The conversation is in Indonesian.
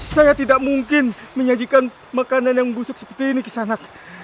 saya tidak mungkin menyajikan makanan yang busuk seperti ini ke sana